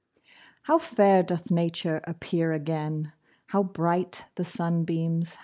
How fair doth Nature Appear again! How bright the sunbeams!